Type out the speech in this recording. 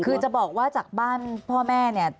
คือจะบอกว่าจากบ้านพ่อแม่เนี่ย